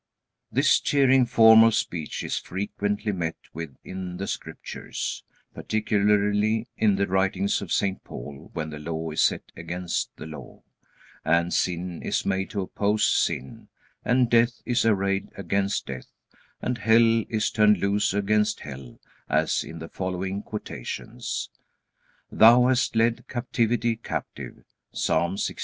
This cheering form of speech is frequently met with in the Scriptures, particularly in the writings of St. Paul, when the Law is set against the Law, and sin is made to oppose sin, and death is arrayed against death, and hell is turned loose against hell, as in the following quotations: "Thou hast led captivity captive," Psalm 68:18.